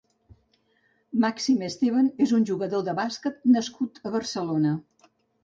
Màxim Esteban és un jugador de bàsquet nascut a Barcelona.